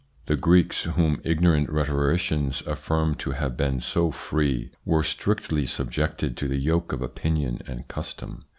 The Greeks, whom ignorant rhetoricians affirm to have been so free, were strictly subjected to the yoke of opinion and custom.